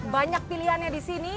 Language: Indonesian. banyak pilihannya di sini